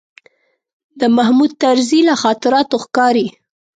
د محمود طرزي له خاطراتو ښکاري.